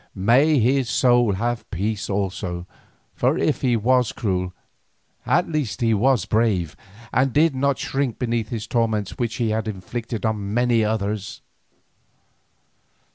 May his soul have peace also, for if he was cruel, at least he was brave, and did not shrink beneath those torments which he had inflicted on many others.